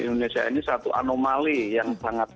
indonesia ini satu anomali yang sangat